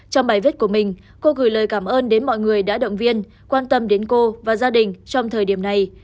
trong bài viết của mình cô gửi lời cảm ơn đến mọi người đã động viên quan tâm đến cô và gia đình trong thời điểm này